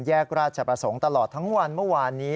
แยกราชประสงค์ตลอดทั้งวันเมื่อวานนี้